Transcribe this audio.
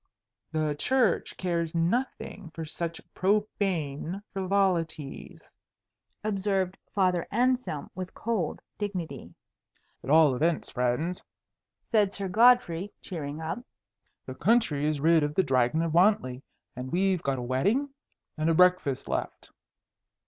"The Church cares nothing for such profane frivolities," observed Father Anselm with cold dignity. "At all events, friends," said Sir Godfrey, cheering up, "the country is rid of the Dragon of Wantley, and we've got a wedding and a breakfast left."